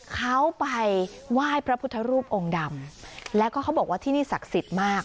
เขาไปไหว้พระพุทธรูปองค์ดำแล้วก็เขาบอกว่าที่นี่ศักดิ์สิทธิ์มาก